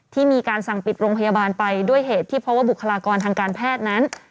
ที่มีการสั่งปิดโรงพยาบาลไปด้วยเหตุที่เพราะว่าบุคลากรทางการแพทย์นั้น